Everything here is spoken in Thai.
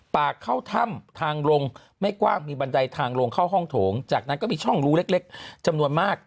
ปากเข้าถ้ำทางลงไม่กว้างมีบันไดทางลงเข้าห้องโถงจากนั้นก็มีช่องรูเล็กจำนวนมาก